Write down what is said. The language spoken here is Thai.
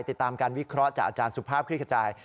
ติดตามการวิเคราะห์จากอาจารย์สุภาพคลิกขจาย